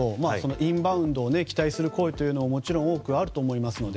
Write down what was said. インバウンドを期待する声というのも多くあると思いますので。